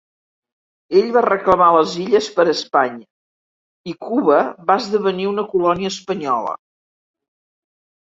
Ell va reclamar les illes per a Espanya i Cuba va esdevenir una colònia espanyola.